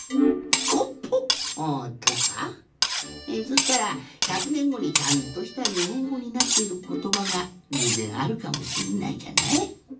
そしたら１００ねんごにちゃんとしたにほんごになっていることばがぐうぜんあるかもしれないじゃない？